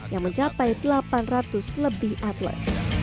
yang mencapai delapan ratus lebih atlet